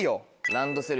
ランドセル。